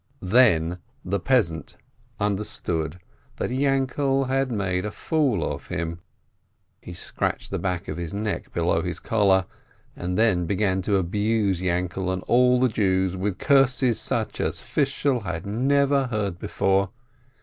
When the peasant understood that Yainkel had made a fool of him, he scratched the back of his neck below his collar, and began to abuse Yainkel and all Jews with curses such as Fishel had never heard before.